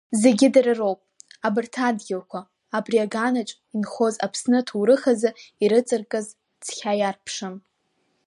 Зегьы дара роуп, абарҭ адгьылқәа, абри аганаҿ инхоз Аԥсны аҭоурых азы ирыҵаркыз цқьа иаарԥшым.